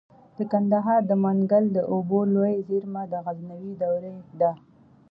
د کندهار د منگل د اوبو لوی زیرمه د غزنوي دورې ده